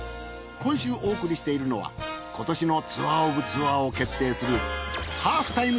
今週お送りしているのは今年のツアーオブツアーを決定するハーフタイム